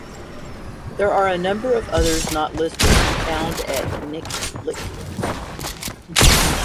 There are a number of others not listed, found at nic.lc.